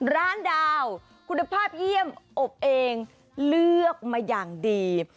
ดาวคุณภาพเยี่ยมอบเองเลือกมาอย่างดี